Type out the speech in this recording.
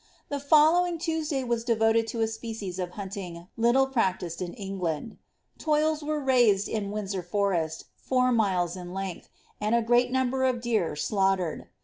The following Tues day was devoted to a species of hunting little practised in England : toils were raised in Windsor Forest four miles in lengdi, and a great number of deer slaughtered.